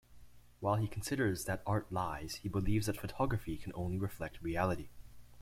While he considers that art lies, he believes that photography can only reflect reality.